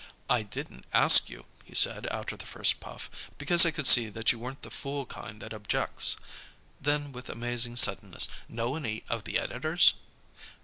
"I didn't ask you," he said, after the first puff, "because I could see that you weren't the fool kind that objects." Then, with amazing suddenness, "Know any of the editors?"